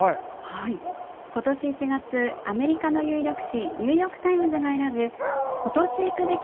ことし１月、アメリカの有力紙ニューヨーク・タイムズが選ぶことし行くべき